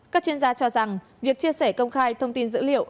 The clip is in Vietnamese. các chuyên gia cho rằng việc chia sẻ công khai thông tin dữ liệu